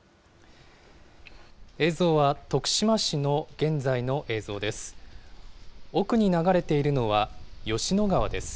映像は、徳島市の現在の映像です。